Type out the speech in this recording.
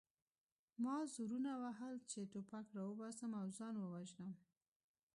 ما زورونه وهل چې ټوپک راوباسم او ځان ووژنم